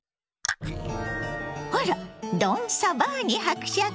あらドン・サバーニ伯爵。